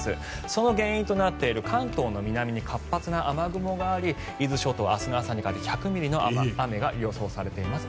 その原因となっている関東の南に活発な雨雲があり伊豆諸島、明日の朝にかけて１００ミリの雨が予想されています。